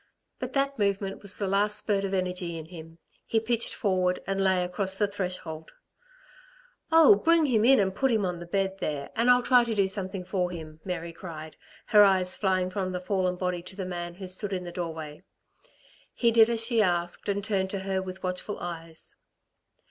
But that movement was the last spurt of energy in him. He pitched forward and lay across the threshold. "Oh, bring him in and put him on the bed there, and I'll try and do something for him," Mary cried, her eyes flying from the fallen body to the man who stood in the doorway. He did as she asked and turned to her with watchful eyes.